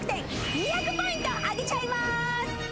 ２００ポイントあげちゃいます！